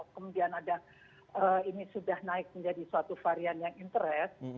kemudian ada ini sudah naik menjadi suatu varian yang interest